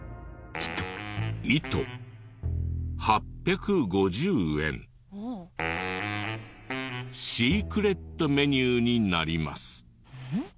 「糸８５０円」「シークレットメニューになります」